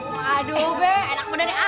waduh be enak bener ya